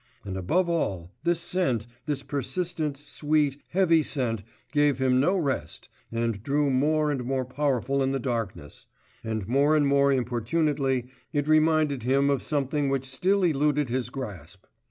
And above all this scent, this persistent, sweet, heavy scent gave him no rest, and grew more and more powerful in the darkness, and more and more importunately it reminded him of something which still eluded his grasp....